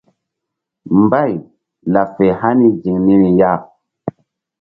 Mbay laɓ fe hani ziŋ niri ya.